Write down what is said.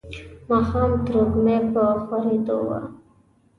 ماښام تروږمۍ په خورېدو وه.